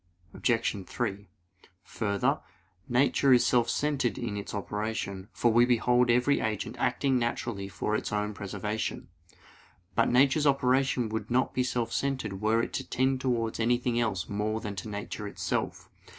Obj. 3: Further, nature is self centered in its operation; for we behold every agent acting naturally for its own preservation. But nature's operation would not be self centered were it to tend towards anything else more than to nature itself.